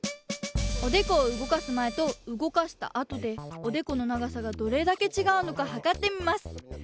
おでこを動かすまえと動かしたあとでおでこの長さがどれだけちがうのかはかってみます。